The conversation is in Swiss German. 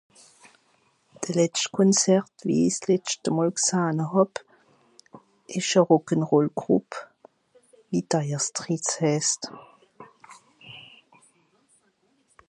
de letscht Concert wie isch s'letschte mòl g'sahn hàb esch à Rock'n Roll Group (Dire Strait) heisst